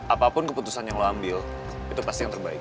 apapun keputusan yang lo ambil itu pasti yang terbaik